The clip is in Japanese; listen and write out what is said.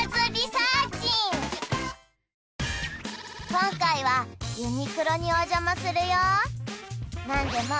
今回はユニクロにお邪魔するよ